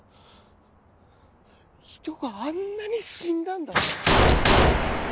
人があんなに死んだんだぞ！